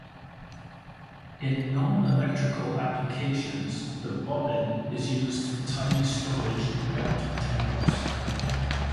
In non-electrical applications the bobbin is used for tidy storage without tangles.